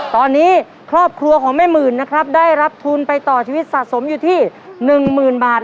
ตอนนี้ครอบครัวของแม่หมื่นนะครับได้รับทุนไปต่อชีวิตสะสมอยู่ที่๑๐๐๐บาท